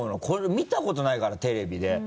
これ見たことないからテレビで。